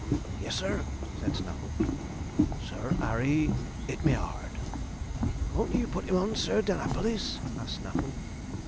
'Yes, sir,' said Snaffle. 'Sir 'Arry, 'It me 'ard.' 'Won't you put him on Sir danapalis?' asked Snaffle.